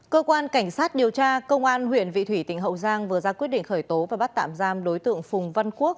cơ quan cảnh sát điều tra công an huyện vị thủy tỉnh hậu giang vừa ra quyết định khởi tố và bắt tạm giam đối tượng phùng văn quốc